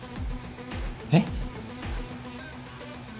えっ？